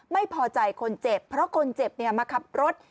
ไม่พอใจคนเจ็บเพราะคนเจ็บมาขับรถ